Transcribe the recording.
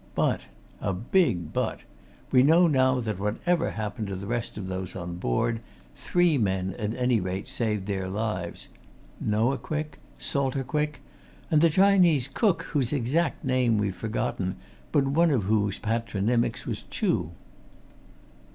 But a big but! we know now that whatever happened to the rest of those on board her, three men at any rate saved their lives Noah Quick, Salter Quick and the Chinese cook, whose exact name we've forgotten, but one of whose patronymics was Chuh.